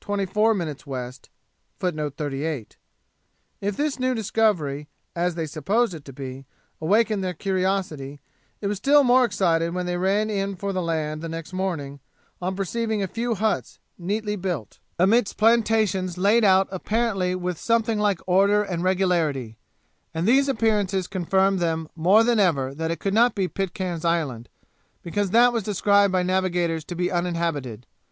If this new discovery as they supposed it to be, awakened their curiosity, it was still more excited when they ran in for the land the next morning, on perceiving a few huts, neatly built, amidst plantations laid out apparently with something like order and regularity; and these appearances confirmed them more than ever that it could not be Pitcairn's Island, because that was described by navigators to be uninhabited.